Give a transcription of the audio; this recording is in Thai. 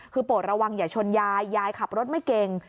คือโปรดระวังอย่าชนยายยายขับรถไม่เก่ง